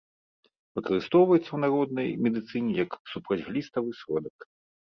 Выкарыстоўваецца ў народнай медыцыне як супрацьгліставы сродак.